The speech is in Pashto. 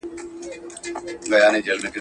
ایا دا لاره د ټولو لپاره ده؟